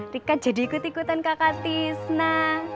rikat jadi ikut ikutan kakak tisna